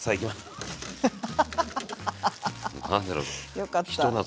よかった。